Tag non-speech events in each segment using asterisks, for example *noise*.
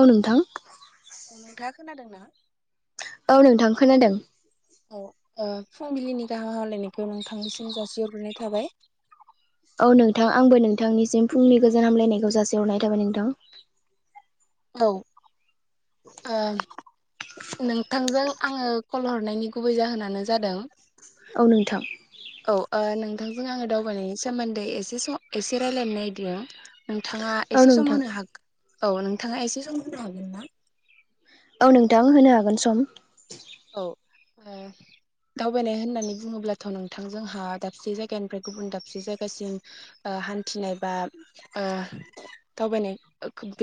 औ नोंथां। ओ नोंथाङा खोनादों ना? औ नोंथां खोनादों। औ ओ फुंबिलिनि गाहाम हामलायनायखौ नोंथांनिसिम जासिहरग्रोनाय थाबाय। औ नोंथां आंबो नोंथांनिसिम फुंनि गोजोन हामलायनायखौ जासि हरनाय थाबाय नोंथां। औ ओ नोंथांजों आङो कल हरनायनि गुबै जाहोनानो जादों औ नोंथां। औ ओ नोंथांजों आङो दावबायनायनि सोमोन्दै एसे एसे रायलायनो नागिरदों। नोंथाङा औ एसे सम नोंथां होनो हा औ नोंथाङा एसे सम होनो हागोन ना? औ नोंथां होनो हागोन सम। औ ओ दावबायनाय होननानै बुङोब्लाथ' नोंथां जोंहा दाबसे जायगानिफ्राय गुबुन दाबसे जायगासिम ओ हान्थिनाय बा ओ दावबायनाय,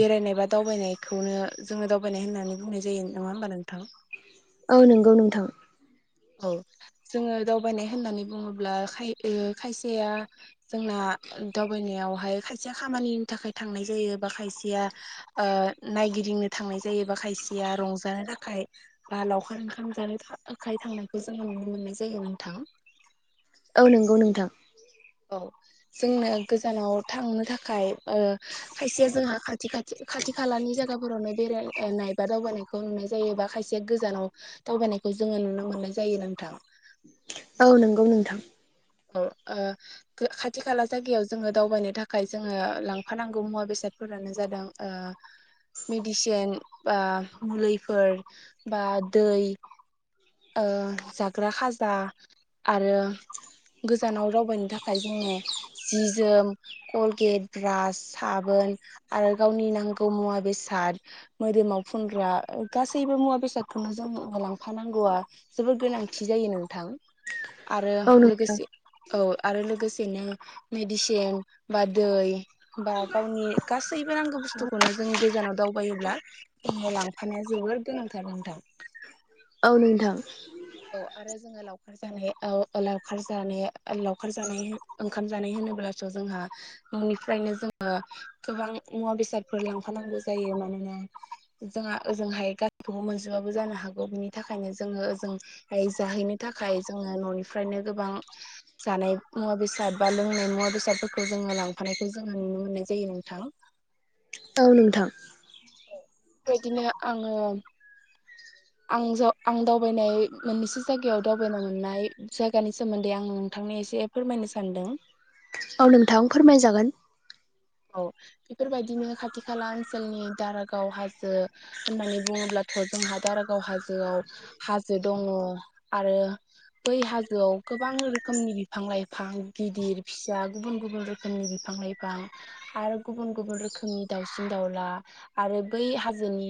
बेरायनाय बा दावबायनायखौनो जोङो दावबायनाय होननानै बुंनाय जायो, नङा होमबा नोंथां? औ नोंगौ नोंथां। औ जोङो दावबायनाय होननानै बुङोब्ला खाय ओ खायसेया जोंना दावबायनायावहाय खायसेया खामानिनि थाखाय थांनाय जायो बा खायसेया ओ नायगिदिंनो थांनाय जायो बा खायसेया रंजानो थाखाय बा लावखार ओंखाम जानो थाखाय थांनायखौ जोङो नुनो मोननाय जायो नोंथां। औ नोंगौ नोंथां। औ जोंनो गोजानाव थांनो थाखाय ओ खायसेया जोंहा खाथि खाथि, खाथि खालानि जायगाफोरावनो बेरायनाय बा दावबायनायखौ नुनाय जायो बा खायसेया गोजानाव दावबायनायखौ जोङो नुनो मोननाय जायो नोंथां। औ नोंगौ नोंथां। औ ओ खो खाथि खाला जायगायाव जोङो दावबायनो थाखाय जोङो लांफानांगौ मुवा बेसादफोरानो जादों ओ मेडिसिन बा मुलिफोर बा दै ओ जाग्रा खाजा आरो गोजानाव दावबायनो थाखाय जोङो जि जोम कलगेट ब्रास साबोन आरो गावनि नांगौ मुवा बेसाद मोदोमाव फुनग्रा गासैबो मुवा बेसादखौनो जों लांफानांगौआ जोबोर गोनांथि जायो नोंथां आरो औ नोंथां लोगोसे औ आरो लोगोसेनो मेडिसिन बा दै बा गावनि गासैबो नांगौ बुस्थुखौनो जों गोजानाव दावबायोब्ला जों लांफानाया जोबोर गोनांथार नोंथां। औ नोंथां। औ आरो जों लाव जानाय लावखार जानाय लावखार जानाय ओंखाम जानाय होनोब्लाथ' जोंहा न'निफ्रायनो जोङो गोबां मुवा बेसादफोर लांफानांगौ जायो मानोना जोंहा ओजोंहाय गासिबो मोनजोबाबो जानो हागौ बिनि थाखायनो जोङो ओजों जाहैनो थाखाय जोङो न'निफ्रायनो गोबां जानाय मुवा बेसाद बा लोंनाय मुवा बेसादफोरखौ जोङो लांफानायखौ जोङो नुनो मोननाय जायो नोंथां औ नोंथां बेबायदिनो आङो आं आं दावबायनाय मोननैसो जायगायाव दावबायनो मोननाय जायगानि सोमोन्दै आं नोंथांनि एसे फोरमायनो सानदों। औ नोंथां फोरमायजागोन औ बेफोरबायदिनो खाथि खाला ओनसोलनि दारागाव हाजो होननानै बुङोब्लाथ' जोंहा दारागाव हाजोआव हाजो दङ आरो बै हाजोआव गोबां रोखोमनि बिफां लाइफां गिदिर फिसा गुबुन गुबुन रोखोमनि बिफां लाइफां आरो गुबुन गुबुन रोखोमनि दाउसिन दाउला आरो बै हाजोनि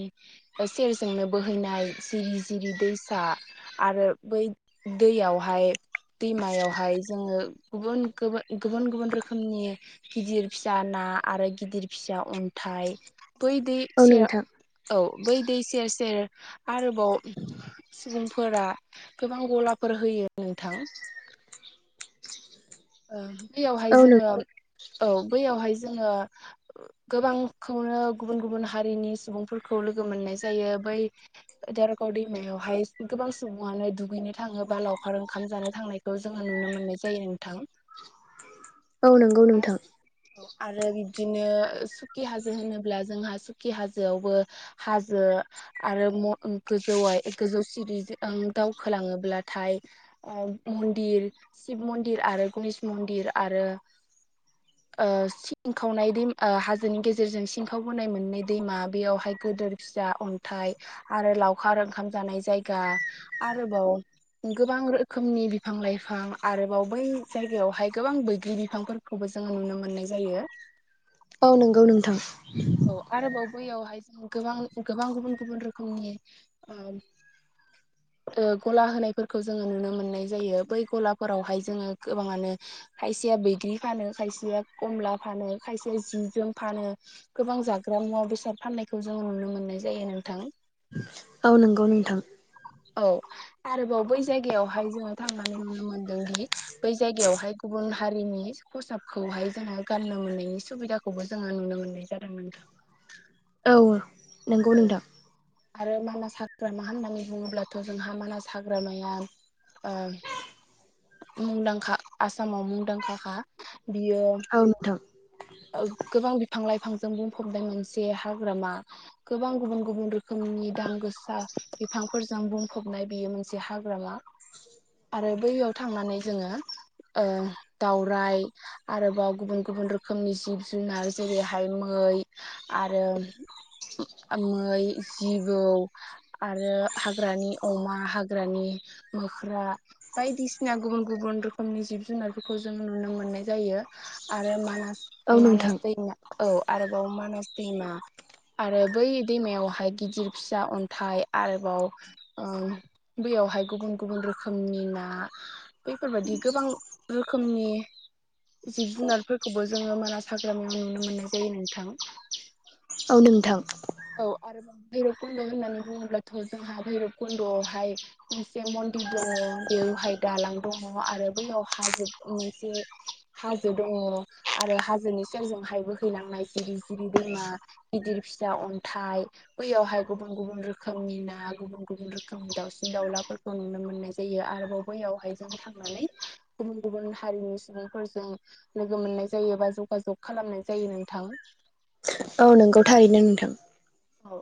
सेरजोंनो बोहैनाय जिरि जिरि दैसा आरो बै दैयावहाय दैमायावहाय जोङो गुबुन गुबुन गुबुन गुबुन रोखोमनि गिदिर फिसा ना आरो गिदिर फिसा अन्थाइ बै दै औ सेर नोंथां औ बै दै सेर सेर आरोबाव सुबुंफोरा गोबां गलाफोर होयो नोंथां ओ बैयावहाय औ नों जोङो औ बैयावहाय जोङो गोबांखौनो गुबुन गुबुन हारिनि सुबुंफोरखौ लोगो मोननाय जायो बै दारागाव दैमायावहाय गोबां सुबुङानो दुगैनो थाङोबा लावखार ओंखाम जानो थांनाय खौ जोङो नुनो मोननाय जायो नोंथां औ नंगौ आरो नोंथां आरो बिब्दिनो सुखि हाजो होनोब्ला जोंहा सुखि हाजोआवबो हाजो आरो गोजौ गोजौ सिरिजों दावखोलाङोब्लाथाय मन्दिर शिब मन्दिर आरो गणश मन्दिर आरो ओ सिं खावनाय दैम हाजोनि गेजेरजों सिंखावबोनाय मोनै दैमा बेयावहाय गिदोर फिसा अन्थाइ आरो लावखार ओंखाम जानाय जायगा आरोबाव गोबां रोखोमनि बिफां लाइफां आरोबाव बै जायगायावहाय गोबां बैग्रि बिफांफोरखौबो जोङो नुनो मोननाय जायो औ नोंगौ नोंथां औ आरोबाव बैयावहाय जों गोबां गोबां गुबुन गुबुन रोखोमनि *inaudible* गला होनायफोरखौ जोङो नुनो मोननाय जायो बै गलाफोरावहाय जोङो गोबाङानो खायसेया बैग्रि फानो खायसेया खमला फानो खायसेया जि जोम फानो गोबां जाग्रा मुवा बेसाद फाननायखौ जों नुनो मोननाय जायो नोंथां औ नोंगौ नोंथां औ आरोबाव बै जायगायावहाय जोङो थांनानै नुनो मोनदोंदि बै जायगायावहाय गुबुन हारिनि खसाबखौहाय जोङो गाननो मोननायनि सुबिदाखौ खौबो जोङो नुनो मोननाय जादों नोंथां औ नंगौ औ नोंथां आरो मानास हाग्रामा होननानै बुङोब्लाथ' जोंहा मानास हाग्रामाया ओ मुंदांखा आसामाव मुंदांखाखा बियो औ नोंथां ओ गोबां बिफां लाइफांजों बुंफबनाय मोनसे हाग्रामा गोबां गुबुन गुबुन रोखोमनि दाम गोसा बिफांफोरजों बुंफबनाय बियो मोनसे हाग्रामा आरो बैयाव थांनानै जोङो ओ दावराय आरोबाव गुबुन गुबुन रोखोमनि जिब जुनार जेरैहाय मै आरो मै जिबौ आरो हाग्रानि अमा हाग्रानि मोख्रा बायदिसिना गुबुन गुबुन रोखोमनि जिब जुनारफोरखौ जों नुनो मोननाय जायो आरो मानास औ नोंथां मानास दैमा औ आरोबाव मानास दैमा आरो बै दैमायावहाय गिदिर फिसा अन्थाइ आरोबाव ओ बैयावहाय गुबुन गुबुन रोखोमनि ना बैफोरबायदि गोबां रोखोमनि जिब जुनारफोरखौबो जोङो मानास हाग्रामायाव नुनो मोननाय जायो नोंथां औ नोंथां औ आरोबाव भैरब खुन्द' होननानै बुङोब्लाथ' जोंहा भैरब कुन्द'आवहाय मोनसे मन्दिर दङ बेवहाय दालां दङ आरो बैयाव हाजो मोनसे हाजो दङ आरो हाजोनि सेरजोंहाय बोहैलांनाय जिरि जिरि दैमा गिदिर फिसा अन्थाइ बैयावहाय गुबुन गुबुन रोखोमनि ना गुबुन गुबुन रोखोमनि दाउसिन दाउलाफोरखौ नुनो मोननाय जायो आरोबाव बैयावहाय जों थांनानै गुबुन गुबुन हारिनि सुबुंफोरजों लोगो मोननाय जायो बा जगाजग खालामनाय जायो नोंथां औ नोंगौ थारैनो नोंथां औ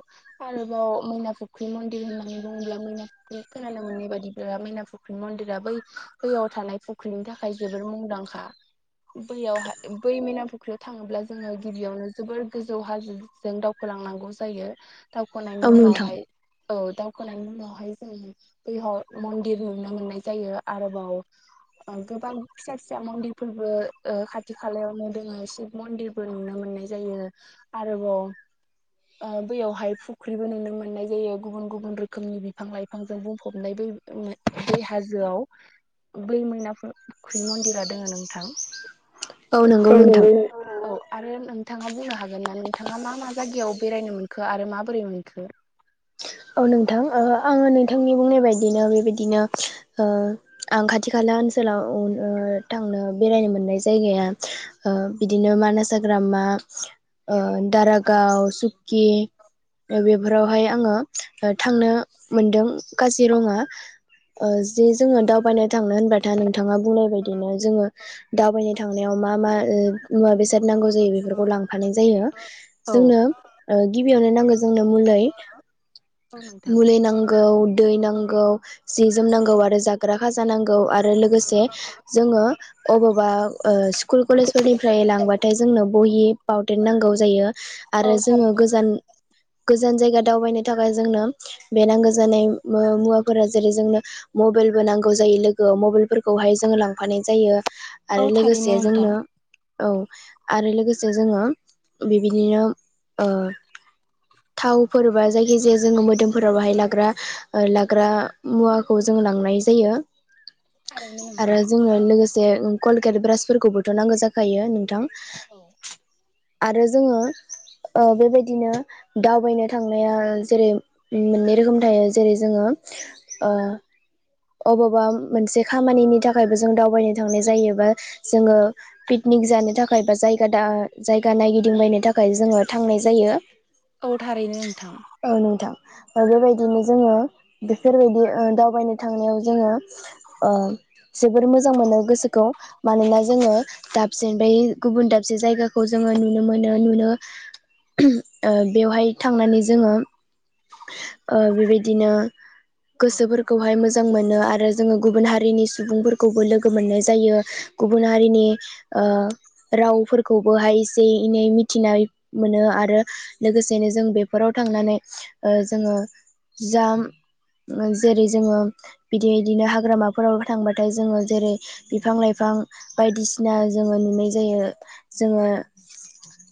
आरोबाव मैना फुख्रि मन्दिर होननानै बुङोब्ला मैना फुख्रि खोनानो मोननाय बायदिब्ला मैना फुख्रि मैना फुख्रि मन्दिरा बै बैयाव थानाय फुख्रिनि थाखाय जोबोद मुंदांखा बैयावहाय बै मिना फुख्रियाव थाङोब्ला जोङो गिबियावनो जोबोर गोजौ हाजोजों दाव दावखोलांनांगौ जायो औ दावखोनायनि नोंथां उनावहाय औ दावखोनायनि उनावहाय जों बेयाव मन्दिर नुनो मोननाय जायो आरोबाव गोबां फिसा फिसा मन्दिरफोरबो ओ खाथि खालायावनो दङ शिब मन्दिर बो नुनो मोननाय जायो आरोबाव ओ बैयावहाय फुख्रिबो नुनो मोननाय जायो गुबुन गुबुन रोखोमनि बिफां लाइफांजों बुंफबनाय बो बे हाजोआव बै मैना फुख्रि मन्दिरा दङ नोंथां नंगौ औ नोंथां औ आरो नोंथाङा बुंनो हागोन ना नोंथाङा मा मा जायगायाव बेरायनो मोनखो आरो माबोरै मोनखो औ नोंथां आङो नोंथांनि बुंनाय बायदिनो बेबायदिनो ओ आं खाथि खाला ओनसोलाव ओं ओ थांनो बेरायनो मोन बै जायगाया ओ बिदिनो मानास हाग्रामा ओन दारागाव सुकि ओ बेफोरावहाय आङो ओ थांनो मोनदों औ काजिरङा जि जोङो दावबायनो थांनो होनबाथाय नोंथाङा बुंनाय बायदिनो जोङो दावबायनो थांनायाव मा मा मुवा बेसाद नांगौ जायो बेफोरखौ लांफानाय जायो जोंनो ओ गिबियावनो नांगौ जोंनो मुलि औ नोंथां मुलि नांगौ दै नांगौ जि जोम नांगौ आरो जाग्रा खाजा नांगौ आरो लोगोसे जोङो अबावबा ओ स्कुल कलेजफोरनिफ्राय लांबाथाय जोंनो बहि पावटेन नांगौ जायो। आरो औ जोङो थारैनो गोजान गोजान जायगा दावबायनो थाखाय जोंनो बे नांगो जानाय उम मुवाफोरा जेरै जोंनो मबाइलबो नांगौ जायो लोगोयाव मबाइलफोरखौहाय जोङो लांफानाय जायो। आरो औ थारैनो लोगोसे नोंथां जोंनो औ आरो लोगोसे जोङो बेबायदिनो ओ थाव फोरबा जाय खिजाया जोङो मोदोमफोराव बाहाय लाग्रा ओ लाग्रा मुवाखौ जों लांनाय जायो। *inaudible* आरो नोंथां जोंनो लोगोसे ओ कलगेट ब्रासफोरखौबोथ' नांगौ जाखायो नोंथां। औ आरो जोङो ओ बेबायदिनो दावबायनो थांनाया जेरै उम मोननै रोखोम थायो जेरै जोङो ओ अबावबा मोनसे खामानिनि थाखायबो जों दावबायनो थांनाय जायोबा जोङो पिकनिक जानो थाखाय बा जायगा दा जायगा नायगिदिंबायनो थाखाय जोङो थांनाय जायो। औ थारैनो नोंथां। औ नोंथां ओ बेबायदिनो जोङो बेफोरबायदि ओ दावबायनो थांनायाव जोङो ओ जोबोर मोजां मोनो गोसोखौ मानोना जोङो दाबसेनिफ्राय गुबुन दाबसे जायगाखौ जोङो नुनो मोनो नुनो ओ बेवहाय थांनानै जोङो ओ बेबायदिनो गोसोफोरखौहाय मोजां मोनो आरो जोङो गुबुन हारिनि सुबुंफोरखौबो लोगो मोननाय जायो। गुबुन हारिनि ओ रावफोरखौबोहाय एसे एनै मिथिनाय मोनो आरो लोगोसेनो जों बेफोराव थांनानै ओ जोङो जाम ओ जेरै जोङो बिदि बिदिनो हाग्रामाफोराव थांबाथाय जोङो जेरै बिफां लाइफां बायदिसिना जोङो नुनाय जायो जोङो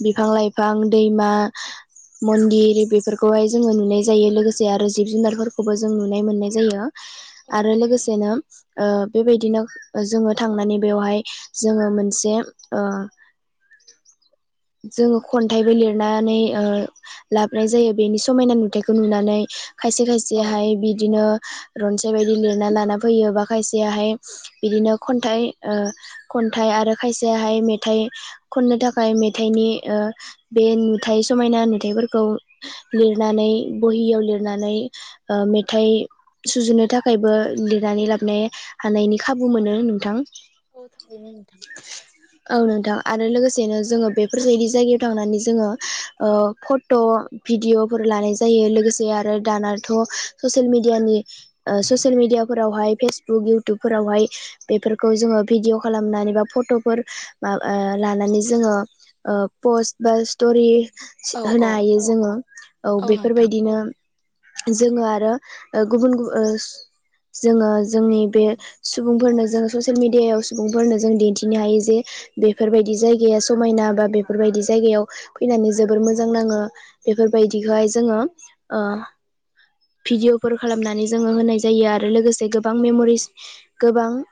बिफां लाइफां दैमा मन्दिर बेफोरख खौहाय जोङो नुनाय जायो लोगोसे आरो जिब जुनारफोरखौबो जों नुनाय मोननाय जायो। औ आरो थारैनो लोगोसेनो ओ बेबायदिनो जोङो थांनानै बेवहाय जोङो मोनसे ओ *inaudible* जोङो खन्थाइबो लिरनानै ओ लाबनाय जायो। बेनि समायना नुथायखौ नुनानै खायसे औ खायसेयाहाय बिदिनो रनसाय बायदि लिरना लाना फैयो बा खायसेयाहाय बिदिनो खन्थाइ ओ खन्थाइ आरो खायसेहाय मेथाइ खननो थाखाय मेथाइनि ओ बे नुथाइ समायना नुथायफोरखौ लिरनानै बहियाव लिरनानै ओ मेथाइ सुजुनो थाखायबो लिरनानै लाबनाय हानायनि खाबु मोनो नोंथां। *unintelligible* बेनो नोंथां। औ नोंथां आरो लोगोसेनो जोङो बेफोरबायदि जायगायाव थांनानै जोङो ओ फट' भिडिअफोर लानाय जायो लोगोसे आरो दानाथ' ससियेल मिडियानि ससियेल मिडियाफोरावहाय फेसबुक इयउटुबफोरावहाय बेफोरखौ जोङो भिडिअ' खालामनानै बा फट'फोर माबा लानानै जोङो पस्ट बा स्ट'रि औ औ होनो हायो जोङो। औ बेफोरबायदिनो जोङो आरो ओ गुबुन गुब ओस जोङो जोंनि बे सुबुंफोरनो जों ससियेल मिडियायाव सुबुंफोरनो जों दिन्थिनो हायो जे बेफोरबायदि जायगाया समायना बा बेफोरबायदि जायगायाव फैनानै जोबोर मोजां नाङो। बेफोरबायदिहाय जोङो भिडिअफोर खालामनानै जोङो होनाय जायो आरो लोगोसे गोबां औ नोंथां मेमरिस गोबां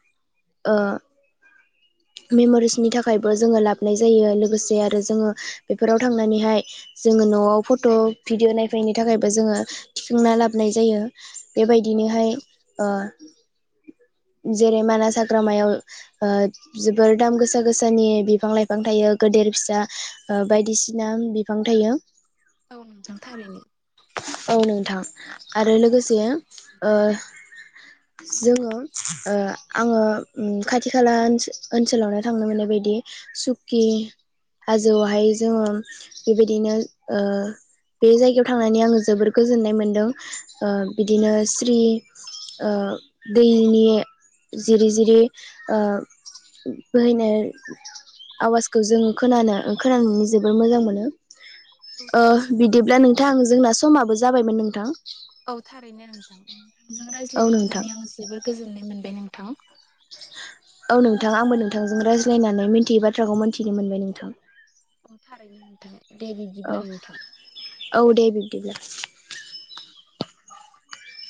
*inaudible* मेम'रिसनि थाखायबो जोङो लाबोनाय जायो लोगोसे आरो जोङो बेफोराव थांनानैहाय जोङो न'आव फट' भिडिअ नायफैयनायनि थाखायबो जोङो थिखांना लाबोनाय जायो। औ बेबायदिनोहाय नोंथां ओ जेरै मानास हाग्रामायाव ओ जोबोर दाम गोसा गोसानि बिफां लाइफां थायो गेदेर फिसा ओ बायदिसिना बिफां थायो। औ नोंथां थारैनो। औ नोंथां आरो नोंथां लोगोसेयो ओ *inaudible* जोङो ओ आङो उम खाथि खाला ओन ओनसोलावनो थांनो मोननाय बायदि सुकि हाजोआवहाय जोङो बेबायदिनो ओ बे जायगायाव थांनानै आङो जोबोर गोजोननाय मोनदों बिदिनो स्रि ओ दैनि जिरि जिरि ओ बोहैनाय आवाजखौ जों खोनानो खोनानानै जोबोर मोजां मोनो। औ ओह थारैनो नोंथां बिदिब्ला नोंथां जोंना समाबो जाबायमोन नोंथां। औ थारैनो नोंथां नोंजों औ रायज्लायनो नोंथां मोननानै आं जोबोर गोजोननाय मोनबाय नोंथां। औ नोंथां आंबो नोंथांजों रायज्लायनानै मिन्थियै बाथ्राखौ मिन्थिनो मोनबाय नोंथां। औ थारैनो नोंथां दे औ बिदिब्ला नोंथां। औ दे बिब्दिब्ला